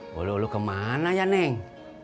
walu walu kemana ya neng